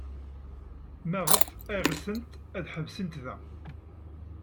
Maɣef ay ɣsent ad ḥebsent da?